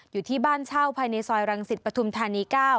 อยู่ที่บ้านเช่าภายในซอยรังสิตปฐุมธานี๙